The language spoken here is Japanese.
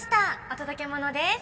お届け物です。